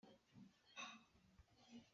Hong Kong cu England ukmi ram a rak si.